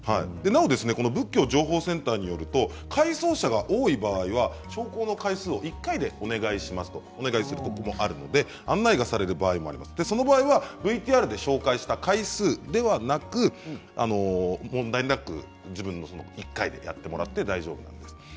なお仏教情報センターによると会葬者が多い場合は焼香の回数を１回でお願いすることもあるので案内がされることがあるその場合、ＶＴＲで紹介した回数ではなくても問題なく１回でやってもらって大丈夫だということです。